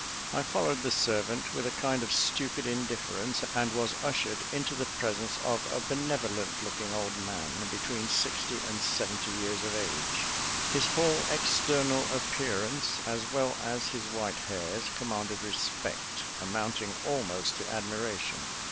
I followed the servant with a kind of stupid indifference, and was ushered into the presence of a benevolent looking old man, between sixty and seventy years of age. His whole external appearance, as well as his white hairs, commanded respect amounting almost to admiration.